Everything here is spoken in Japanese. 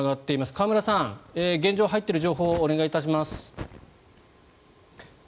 河村さん、現状入っている情報をお願いいたします。